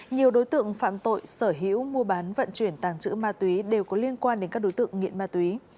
nhiều đối tượng phạm tội sở hữu mua bán vận chuyển tàng trữ ma túy đều có liên quan đến các đối tượng nghiện ma túy